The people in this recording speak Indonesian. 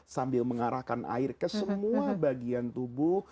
sambil mengarahkan air ke semua bagian tubuh